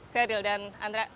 serial dan andra